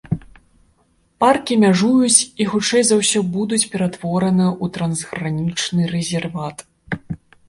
Паркі мяжуюць і хутчэй за ўсё будуць ператвораны ў трансгранічны рэзерват.